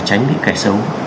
tránh bị kẻ xấu